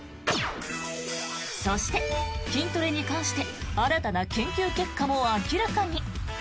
そして、筋トレに関して新たな研究結果も明らかに。